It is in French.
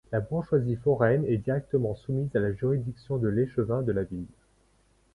La bourgeoisie foraine est directement soumise à la juridiction de l'échevin de la ville.